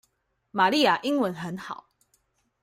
瑪麗亞英文很好